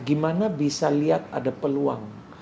gimana bisa lihat ada peluang